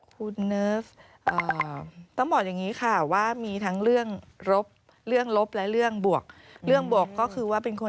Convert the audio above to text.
คุณเนิร์ฟต้องบอกอย่างนี้ค่ะว่ามีทั้งเรื่องลบและเรื่องบวก